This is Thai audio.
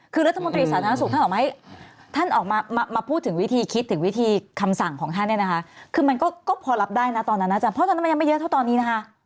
คือมันก็พอรับได้ตอนนั้นน่ะจ้ะเพราะฉะนั้นมันยังไม่เยอะเท่าตอนนี้นะคะ